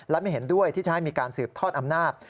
และไม่เห็นด้วยที่จะให้มีการสืบทอดอำนาจ